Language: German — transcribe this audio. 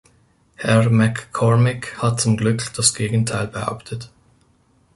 Herr MacCormick hat zum Glück das Gegenteil behauptet.